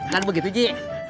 kan begitu ji